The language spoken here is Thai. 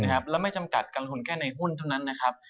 แล้วไม่จำกัดการลงทุนแค่ในหุ้นเท่านั้นนะครับ